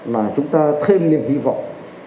là chúng ta thêm niềm hy vọng